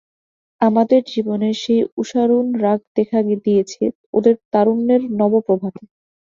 আমাদের জীবনের সেই উষারুণরাগ দেখা দিয়েছে ওদের তারুণ্যের নবপ্রভাতে।